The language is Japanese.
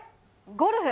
ゴルフ？